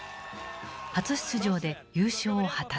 初出場で優勝を果たす。